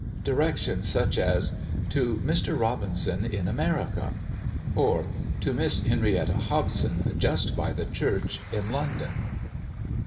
Directions such as "To Mr. Robinson, "in America." Or, "_To Miss Henrietta Hobson, "Just by the Church, "in London.